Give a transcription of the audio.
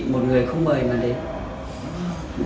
một người không mời mà đến